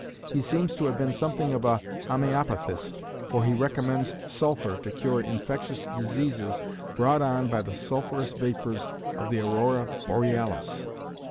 He seems to have been something of a homoeopathist, for he recommends sulphur to cure infectious diseases "brought on by the sulphurous vapours of the Aurora Borealis"!